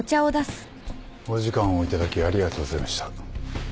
お時間をいただきありがとうございました。